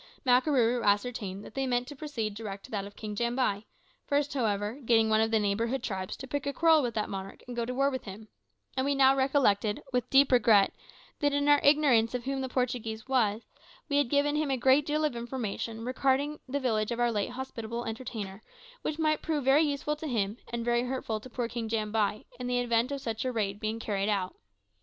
Makarooroo ascertained that they meant to proceed direct to that of King Jambai, first, however, getting one of the neighbouring tribes to pick a quarrel with that monarch and go to war with him; and we now recollected, with deep regret, that in our ignorance of what the Portuguese was, we had given him a great deal of information regarding the village of our late hospitable entertainer which might prove very useful to him, and very hurtful to poor King Jambai, in the event of such a raid being carried out.